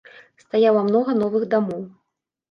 Стаяла многа новых дамоў.